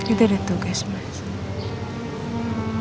itu ada tugas mas